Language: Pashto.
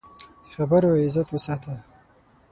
د خبرو عزت وساته